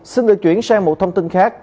xin được chuyển sang một thông tin khác